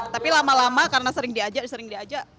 tapi lama lama karena sering diajak sering diajak